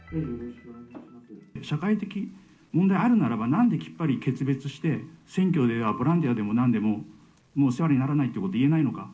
社会的問題あるならば、なんで、きっぱり決別して、選挙やボランティアでもなんでも、もうお世話にならないってことを言えないのか。